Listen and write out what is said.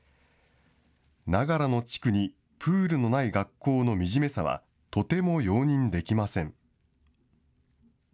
長良の地区にプールのない学校のみじめさはとても容認できません。